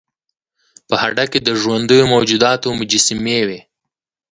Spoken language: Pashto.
په هډه کې د ژوندیو موجوداتو مجسمې وې